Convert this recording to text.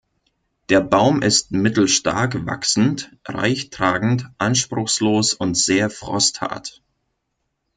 Der Baum ist mittelstark wachsend, reich tragend, anspruchslos und sehr frosthart.